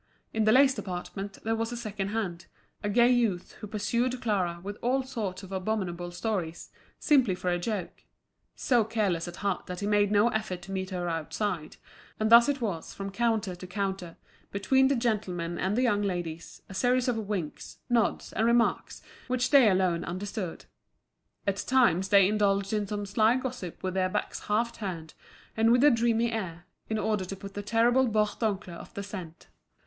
In the lace department there was a second hand, a gay youth who pursued Clara with all sorts of abominable stories, simply for a joke—so careless at heart that he made no effort to meet her outside; and thus it was from counter to counter, between the gentlemen and the young ladies, a series of winks, nods, and remarks, which they alone understood. At times they indulged in some sly gossip with their backs half turned and with a dreamy air, in order to put the terrible Bourdoncle off the scent.